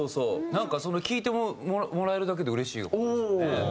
なんか聴いてもらえるだけでうれしいですよね。